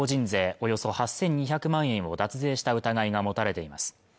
およそ８２００万円を脱税した疑いが持たれています